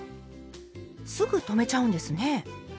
すぐ止めちゃうんですね。